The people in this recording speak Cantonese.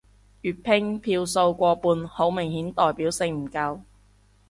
粵拼票數過半好明顯代表性唔夠